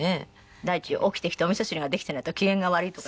第一起きてきてお味噌汁ができてないと機嫌が悪いとか。